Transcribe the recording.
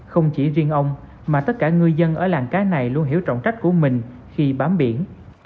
không chỉ riêng ông mà tất cả ngư dân ở làng cá này luôn hiểu trọng trách của mình khi bám biển